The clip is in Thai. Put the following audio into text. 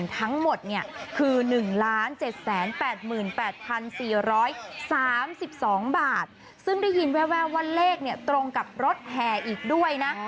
ทั้งหมดเนี่ยคือ๑๗๘๘๔๓๒บาทซึ่งได้ยินแววว่าเลขตรงกับรถแห่อีกด้วยนะ